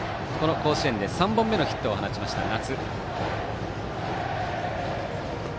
甲子園で３本目のヒットを放ちました、夏。